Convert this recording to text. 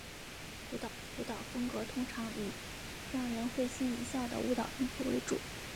舞蹈风格通常以让人会心一笑的舞蹈动作为主。